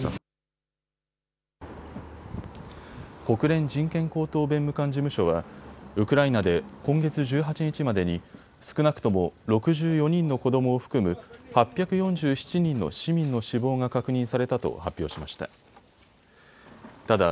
国連人権高等弁務官事務所はウクライナで今月１８日までに少なくとも６４人の子どもを含む８４７人の市民の死亡が確認されたと発表しました。